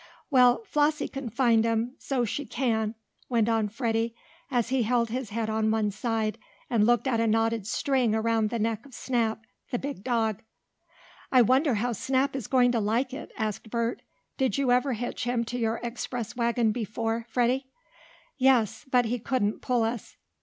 "Well, Flossie can find 'em, so she can," went on Freddie, as he held his head on one side and looked at a knotted string around the neck of Snap, the big dog. "I wonder how Snap is going to like it?" asked Bert. "Did you ever hitch him to your express wagon before, Freddie?" "Yes. But he couldn't pull us."